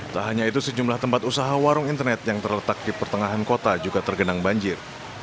tak hanya itu sejumlah tempat usaha warung internet yang terletak di pertengahan kota juga tergenang banjir